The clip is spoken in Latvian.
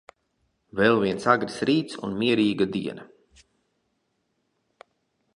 Vēl viens agrs rīts un mierīga diena.